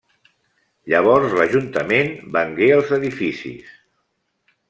Llavors l'ajuntament vengué els edificis.